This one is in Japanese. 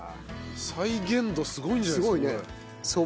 再現度すごいんじゃないですか？